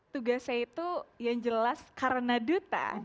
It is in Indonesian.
tugas saya itu yang jelas karena duta